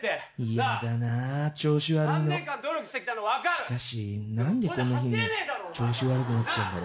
しかしなんでこんな日に調子悪くなっちゃうんだろ。